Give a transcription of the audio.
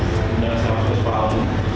setelah saya masuk ke sekolah